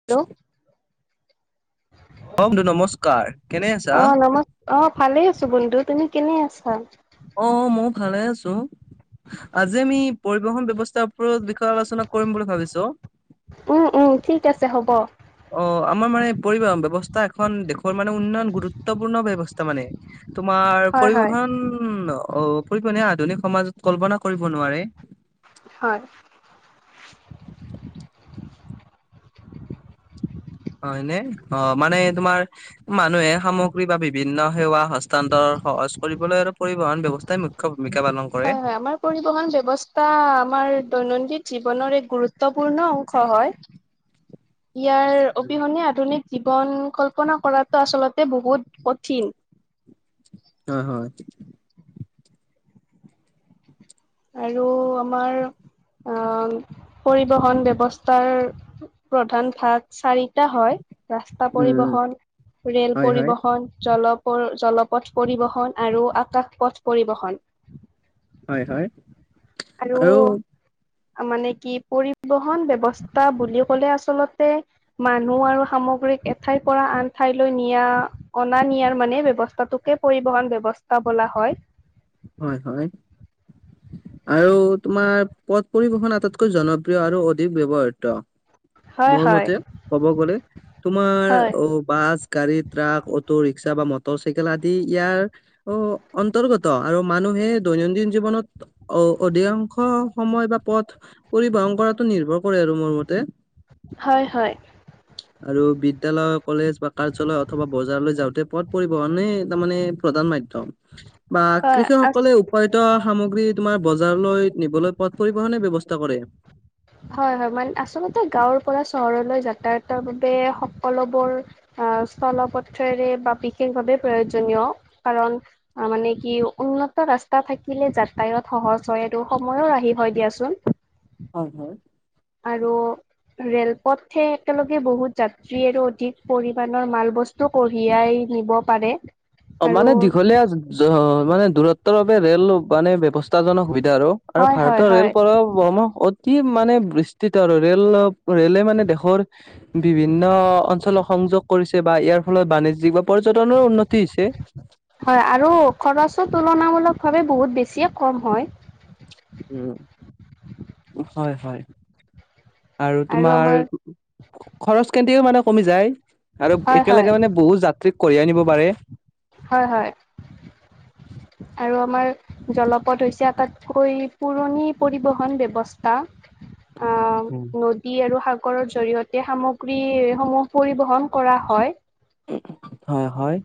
Hello. অ' বুলু নমস্কাৰ কেনে অ আছা? নমস অ' ভালে আছো বন্ধু, তুমি কেনে আছা? অ'মই ভালে আছো। আজি আমি পৰিবহন ব্যৱস্থাৰ ওপৰত বিষয়ে আলোচনা কৰিম বুলি ভাবিছো। উম' উম' ঠিক আছে হ'ব। আমাৰ মানে পৰিবহন ব্যৱস্থা এখন দেশৰ মানে উন্নয়ন গুৰুত্বপূৰ্ণ ব্যৱস্থা। তাৰ মানে তোমাৰ হয় হয় পৰিবহন অ'। পনে আধুনিক সমাজত কল্পনা কৰিব নোৱাৰে। হয়। হয় নে অ, মানে তোমাৰ মানুহে সামগ্ৰী বা বিভিন্ন সেৱা হতান্তৰ সহজ কৰিবলৈ আৰু পৰিবহন ব্যৱস্থাই মুখ্য ভূমিকা পালন কৰে হয়, হয় আমাৰ পৰিবহণ ব্যৱস্থা আমাৰ দৈনন্দিন জীৱনৰ এক গুৰুত্বপূৰ্ণ অংশ হয়। [inaudible] ইয়াৰ অবিহনে আধুনিক জীৱন কল্পনা কৰাতটো আচলতে বহুত কঠিন। হয়, হয়। আৰু আমাৰ অ' পৰিবহণ ব্যৱস্থাৰ প্ৰধান ভাগ চাৰিটা হয়। ৰাস্তা উম পৰিবহন, ৰেল হয় হয় পৰিবহন, জল জলপথ পৰিবহণ আৰু আকাশ পথ পৰিবহণ। হয়, হয়। আৰু মানে কি পৰিবহন ব্যৱস্থা বুলি ক'লে আচলতে মানুহ আৰু সামগ্ৰীক এঠাইৰ পৰা আন ঠাইলৈ নিয়া অনা নিয়াৰ মানে ব্যৱস্থাটোকে পৰিবহণ ব্যৱস্থা বোলা হয়। হয়, হয়। আৰু তোমাৰ পথ পৰিবহন আটাইতকৈ জনপ্ৰিয় আৰু অধিক ব্যৱহৃত হয় মোৰ হয় মতে ক'ব গলে তোমাৰ হয় অ, বাছ গাড়ী ট্ৰাক, অটো ৰিক্সা বা মটৰ চাইকেল আদি ইয়াৰ অ, অন্তৰ্গত আৰু মানুহে দৈনন্দিন জীৱনত অ অধিকাংশ সময় বা পথ পৰিবহন কৰাতো নিৰ্ভৰ কৰে আৰু মোৰ মতে হয়, হয়। [inaudible] আৰু বিদ্যালয়, কলেজ বা কাৰ্যালয় অথবা বজাৰলৈ যাওঁতে পথ পৰিবহণে তাৰমানে প্ৰধান মাধ্যম বা হয় কৃষকসকলে আ উৎপাদিত সামগ্ৰী তোমাৰ বজাৰলৈ নিবলৈ পথ পৰিবহণ ব্যৱস্থা কৰে। হয়, হয়। মানে আচলতে গাঁৱৰ পৰা চহৰলৈ যাতায়াতৰ বাবে সকলোবোৰ আহ স্থলপথেৰে বা বিশেষভাৱে প্ৰয়োজনীয় কাৰণ মানে কি উন্নত ৰাস্তা থাকিলে যাতায়ত সহজ হয় আৰু সময়ো ৰাহি হয় দিয়াচোন হয়, হয়। আৰু ৰেলপথহে একেলগে বহুত যাত্ৰী আৰু অধিক পৰিমণৰ মাল বস্তু টো কঢ়িয়াই নিব পাৰে। অ', আৰু মানে দীঘলীয়া মানে দূৰত্বৰ বাবে ৰেল মানে ব্যৱস্থা উত্তাজক সুবিধা আৰু আৰু হয় হয় ভাৰতৰ ৰেল হয় পৰাও কি মানে বৃষ্টিত আৰু ৰেল ৰেলে মানে দেশৰ বিভিন্ন অঞ্চলক সংযোগ কৰিছে বা ইয়াৰ ফলত বাণিজ্যিক বা পৰ্যটনৰ উন্নত হয় আৰু খৰচো তুলনামূলক ভাৱে বহুত বেছিয়ে কম হয়। উম', হয়, হয়। আৰু তোমাৰ খৰচ খেতিও মানে কমি যায় আৰু হয় হয় একেলগে মানে বহুত যাত্ৰীক কঢ়িয়াই নিব পাৰে। হয়, হয়। আৰু আমাৰ জলপথ হৈছে, আটাইতকৈ পুৰণি পৰিবহন ব্যৱস্থা। অ', উম', নদী আৰু সাগৰৰ জৰিয়তে সামগ্ৰী সমূহ পৰিবহন কৰা হয় হয়, হয়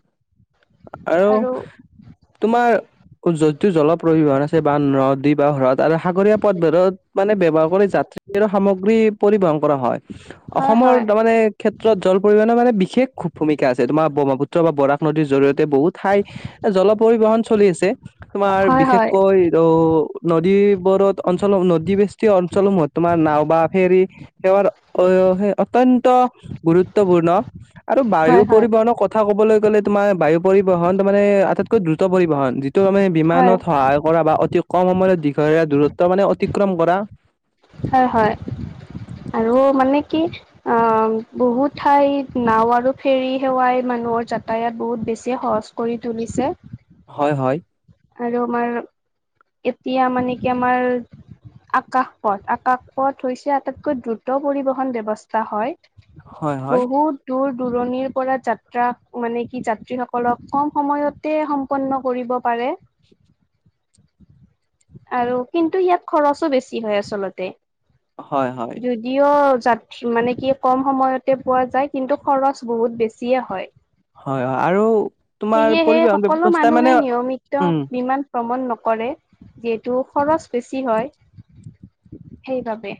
আৰু তোমাৰ যদিও জলপৰিবহন আছে বা নদী বা হ্ৰদ আৰু সাগৰীয়া পথবোৰত মানে ব্যৱহাৰ কৰি যাত্ৰী আৰু সামগ্ৰী পৰিবহন কৰা হয় হয় অসমৰ হয় তাৰ মানে ক্ষেত্ৰত জল পৰিবহণৰ মানে বিশেষ ভূমিকা আছে তোমাৰ ব্ৰহ্মপুত্ৰ বা বৰাক নদীৰ জৰি়য়তে বহুত ঠাই এ জল পৰিবহন চলি আছে তোমাৰ হয় হয় হয় বিশেষকৈ ৰৈ নদীবোৰত অঞ্চল নদীবেষ্টিৰ অঞ্চলসমূহত তোমাৰ নাও বা ফেৰী সেৱাৰ অ হে অত্যন্ত গুৰুত্বপূৰ্ণ ত হয় বায়ু পৰিবহনৰ কথা ক'বলৈ গ'লে তোমাৰ বায়ু পৰিবহন তাৰমানে আটাইতকৈ দ্ৰুত পৰিবহন ত মানে হয় বিমানত সহায় কৰা বা অতি কম সময়ত দীঘলীয়া দূৰত্ব মানে অতিক্ৰম কৰা হয় হয় আৰু মানে কি অ বহুত ঠাইত নাও আৰু ফেৰী সেৱাই মানুহৰ যাতায়ত বহুত বেছি সহজ কৰি তুলিছে হয় হয় আৰু আমাৰ এতিয়া মানে কি আমাৰ আকাশ পথ আকাশ পথ হৈছে আটাইতকৈ দ্ৰুত পৰিবহন ব্যৱস্থা হয় হয় হয় বহুত দূৰ দূৰণিৰ পৰা যাত্ৰা মানে কি যাত্ৰীসকলক কম সময়তে সম পন্ন কৰিব পাৰে আৰু কিন্তু ইয়াত খৰচো বেছি হয় আচলতে হয় হয়। নিয়ৰ জাত মানে কি কম সময়তে পোৱা যায় কিন্তু খৰচ বহুত বেছিয়ে হয়। হয় হয় আৰু তোমাৰ সেয়েহে পৰিবহন সকলো ব্যৱস্থা মানে মানুহে নিয়মিত উম ইমান ভ্ৰমণ নকৰে যিহেতু খৰচ বেছি হয়। সেইবাবে।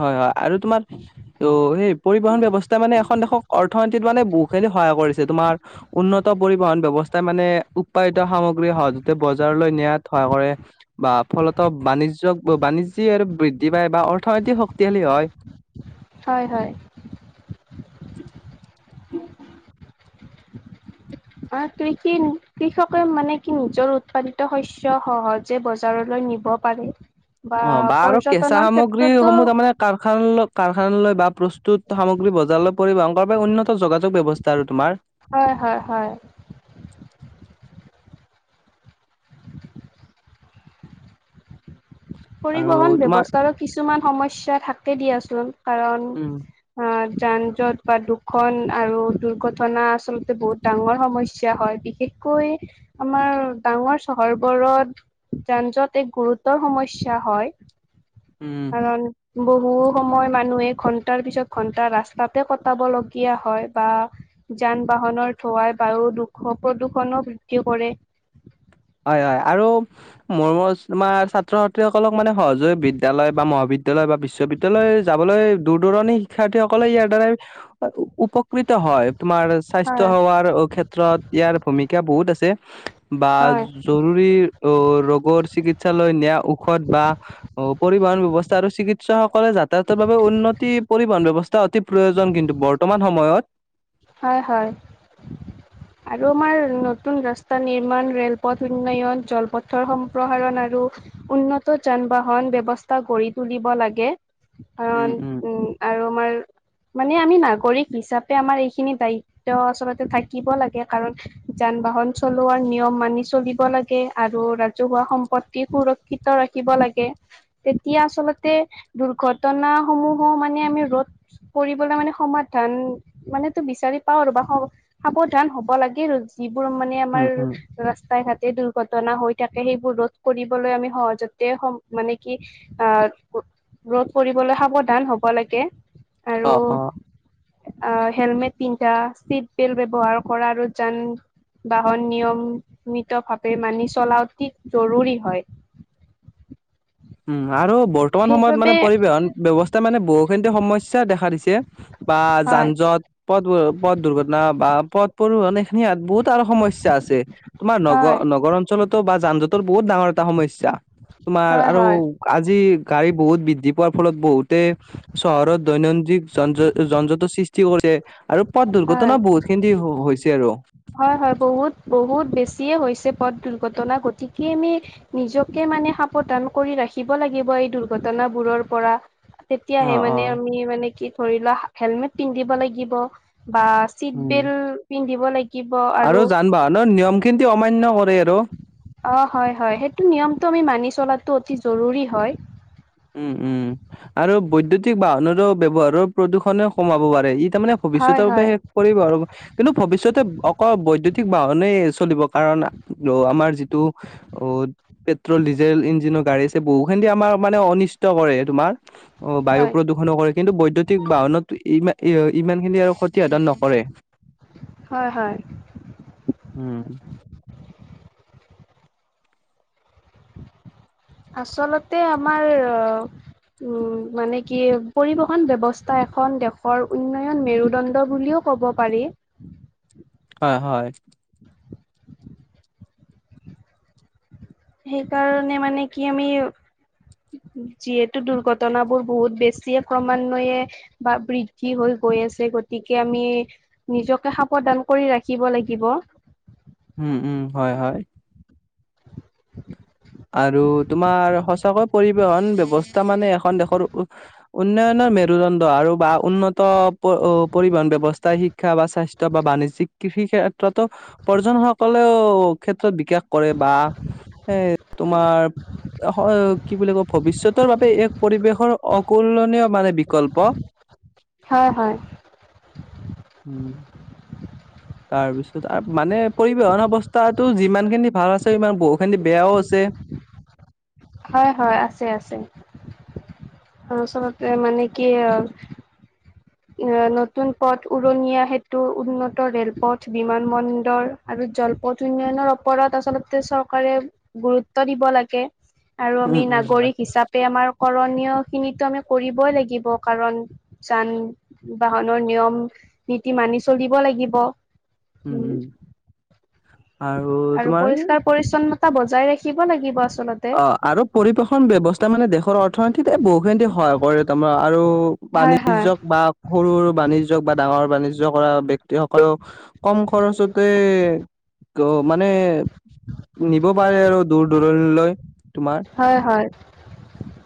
হয় হয় আৰু তোমাৰ আৰু সেই পৰিবহন ব্যৱস্থা মানে এখন দেশক অৰ্থনীতিত মানে বহুখিনি সহায় কৰিছে, তোমাৰ উন্নত পৰিবহন ব্যৱস্থাই মানে উৎপাদিত সামগ্ৰী সহজতে বজাৰলৈ নিয়াত সহায় কৰে। বা ফলত বাণিজ্যক বাণিজ্যিক আৰু বৃদ্ধি পায় বা অৰ্থনৈতিক শক্তিশালী হয়। হয় হয়। [inaudible] আৰ কৃষি কৃষকে মানে কি নিজৰ উৎপাদিত শস্য সহজে বজাৰলৈ নিব পাৰে। অ' বা আৰু কেঁচা পৰ্যটনৰ ক্ষেত্ৰতো সামগ্ৰীসমূহ তাৰমানে কাৰখানলৈ কাৰখানালৈ বা প্ৰস্তুত সামগ্ৰী বজাৰলৈ পৰিবহণ কৰাৰ বাবে উন্নত যোগাযোগ ব্যৱস্থা তাৰো তোমাৰ। হয় হয় হয়। আৰু পৰিবহন তোমাৰ ব্যৱস্থাৰো কিছুমান সমস্যা থাকে দিয়াচোন কাৰণ উম অ' যান জট বা দুখন আৰু দুৰ্ঘটনা আচলতে বহুত ডাঙৰ সমস্যা হয় বিশেষ কৈ আমাৰ ডাঙৰ চহৰবোৰত যান যট এক গুৰুত্বৰ সমস স্যা হয়। উম। কাৰন বহু সময় মানুহে ঘন্টাৰ পিছত ঘন্টা ৰাস্তাতে কটাবলগীয়া হয় বা যান বাহনৰ ধোঁৱাই বায়ু দুৰ্ঘ প্ৰদূষনো বৃদ্ধি কৰে। হয় হয় আৰু মোৰ মোৰ তোমাৰ ছাত্ৰ ছাত্ৰীসকলক মানে সহজে বিদ্যালয় বা মহাবিদ দ্যালয় বা বিশ্ববিদ্যালয় যাবলৈ দূৰ দূৰণি শিক্ষাৰ্থীসকলে ইয়াৰ দ্বাৰাই উপকৃত হয়, তোমাৰ হয় স্বাস্থ্যসেৱাৰ ক্ষেত্ৰত ইয়াৰ ভূমিকা বহুত আছে। বা হয় জৰুৰী অ' ৰোগৰ চিকিৎসালয় নিয়া ঔষধ বা অ' পৰিবহন ব্যৱস্থা আৰু চিকিৎসকসকলে যাতায়াতৰ বাবে উন্নতি পৰিবহন ব্যৱস্থা তা অতি প্ৰয়োজন কিন্তু বৰ্তমান সময়ত। হয় হয়। আৰু আমাৰ নতুন ৰাস্তা নিৰ্মাণ, ৰেলপথ উন্নয়ন, জলপথৰ সম্প্ৰসাৰণ আৰু উন্নত যান বাহন ব্যৱস্থা গঢ়ি তুলিব লাগে কাৰণ উম আৰু আমাৰ মানে আমি নাগৰিক হিচাপে আমাৰ এইখিনি দায়িত্ব আচলতে থাকিব লাগ গে কাৰণ যান বাহন চলোৱাৰ নিয়ম মানি চলিব লাগে আৰু ৰাজহুৱা সম্পত্তি সুৰ ক্ষিত ৰাখিব লাগে। তেতিয়া আচলতে দুৰ্ঘটনাসমূহো মানে আমি ৰোধ কৰিবলৈ মানে সমাধান মানে তো বিচাৰি পাওঁ আৰু বা হ, সাৱ ধান হ'ব লাগিল, যিবোৰ মানে উম আমাৰ উম ৰাস্তাই ঘাটে দুৰ ঘটনা হৈ থাকে সেইবোৰ ৰোধ কৰিবলৈ আমি সহজতে সম মানে কি আ ৰোধ কৰিবলৈ সাৱধান হ'ব লাগে। আৰু অ অ আ, হেলমেট পিন্ধা, চিট বেল্ট ব্যৱহাৰ কৰা আৰু যান বাহন নিয়মমিতভাৱে মানি চলা অতি জৰুৰী হয়। উম আৰু বৰ্তমান সময়ত মানে সেইবাবে পৰিবহন ব্যৱস্থাই মানে বহুখিনিতে সমস্যা দেখা দিছে। বা যান হয়, জঁট। পথ পথ দুৰ্ঘটনা বা পথ পৰিবহণ এইখিনি ইয়াত বহুত আৰু সমস্যা আছে। তোমাৰ নগ হয়, হয়, নগৰ অঞ্চলতো বা যান জঁটৰ বহুত ডাঙৰ এটা সমস্যা। তোমাৰ হয়, আৰু হয়। আজি গাড়ী বহুত বৃদ্ধি পোৱাৰ ফলত বহুতে চহৰত দৈনন্দিন যন জঁ যন জটৰ সৃষ্টি কৰে, আৰু পথ দুৰ্ঘটনা হয় বহুত খিনতি হৈছে আৰু। হয় হয়, বহুত বহুত বেছিয়ে হৈছে পথ দুৰ্ঘটনা, গতিকে আমি নিজকে মানে সাৱধান কৰি ৰাখিব লাগিব এই দুৰ্ঘটনাবোৰৰ পৰা। তেতিয়াহে অ', মানে অ', আমি মানে কি ধৰি লোৱা, হেলমেট পিন্ধিব লাগিব বা চিট উম। বেল্ট পিন্ধিব লাগি আৰু যান বাহনৰ নিয়মখিনতি অমান্য কৰে আৰু। অঁ হয় হয়, সেইটো নিয়মটো আমি মানি চলাটো অতি জৰুৰী হয়। উম উম আৰু বৈদ্যুতিক বাহনৰো ব্যৱহাৰৰ প্ৰদূষণে কমাব পাৰে ই তাৰমানে হয় ভৱিষ্যতৰ বাবে হয় শেষ কৰিব আৰু। কিন্তু ভৱিষ্যতে অকল বৈদ্যুতিক বাহনে চলিব, কাৰণ আমাৰ যিটো অ, পেট্ৰল ডিজেল ইঞ্জিনৰ গাড়ীচে বহুখিনতি আমাৰ নে অনিষ্ট কৰে তোমাৰ, অঁ বায়ু হয় প্ৰদূষণো কৰে। কিন্তু বৈদ্যুতিক বাহনত ইমা ই অ ইমানখিনি আৰু ক্ষতিসাধন নকৰে, হয় হয় উম। আচলতে আমাৰ অহ উম মানে কি, পৰিবহণ ব্যৱস্থা এখন দেশৰ উন্নয়ন মেৰুদণ্ড বুলিয়ো ক'ব পাৰি। হয় হয়। সেইকাৰণে মানে কি আমি যিহেতু দুৰ্ঘটনাবোৰ বহুত বেছিয়ে ক্ৰমান্বয়ে বা বৃদ্ধি হৈ গৈ আছে, গতিকে আমি নিজকে সাৱধান কৰি ৰাখিব লাগিব। উম উম হয় হয়। আৰু তোমাৰ সঁচাকৈ পৰি বহন ব্যৱস্থা মানে এখন দেশৰ উনয়নৰ মে ৰুদণ্ড আৰু বা উন্নত অ পৰিবহন ব্যৱস্থাই শিক্ষা বা স্বাস্থ্য বা বাণিজ্যিক কৃষি ক্ষেত্ৰটো প্ৰয়োজন সকলেও ক্ষেত্ৰত বিকাশ কৰে বা এ তোমাৰ অ হয় কি বুলি কয়, ভৱিষ্যতৰ বাবে এক পৰিৱেশৰ অকুলয়নীয় মানে বিকল্প। হয় হয়। উম। তাৰপিছত আৰু মানে পৰিবহন ব্যৱস্থাটো যিমান খিনি ভাল আছে, সিমান বহু খিনি বেয়াও আছে। হয় হয় আছে আছে। দৰাচলতে মানে কি অ এ, নতুন পথ, উৰণীয়া সেতু, উন্নত ৰেলপথ, বিমান বন্দৰ। আৰু জলপথ উন্নয়নৰ ওপৰত, আচলতে চৰকাৰে গুৰুত্ব দিব লাগে। আৰু আমি উম উম নাগৰিক হিচাপে, আমাৰ কৰণীয় খিনিকটোত আমি কৰিবই লাগিব, কাৰণ যান বাহনৰ নিয়ম, নীতি মানি চলিব লাগিব। উম উম। আৰু পৰিষ্কাৰ পৰিচ্ছন্নতা বজাই ৰাখিব লাগিব আচলতে। অ', আৰু পৰিবেশন ব্যৱস্থা মানে দেশৰ অৰ্থনীতিত বহুখিনি সহায় কৰে, তোমাৰ আৰু পানী হয় হয় বাণিজ্যক বা সৰু বাণিজ্যিক বা ডাঙৰ বাণিজ্য কৰা তেওঁ সকলক কম খৰচতে মানে নিব পাৰে আৰু দূৰ দূৰণি লয়। হয় হয়।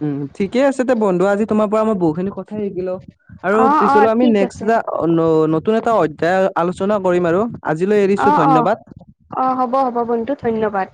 উম ঠিকে আছে দে বন্ধু, আজি তোমাৰ পৰা মই বহুখিনি কথাই শিকিলো, আৰু অ অ পিছলে আমি ঠিক নেক্সট আছে এটা অ', নতুন এটা অধ্যায় আলোচনা কৰিম আৰু আজিলৈ অ এৰিছো অ ধন্যবাদ। অ' হ'ব, হ'ব বন্ধু ধন্যবাদ।